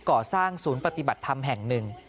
ก่อสร้างศูนย์ปฏิบัติธรรมแห่งหนึ่ง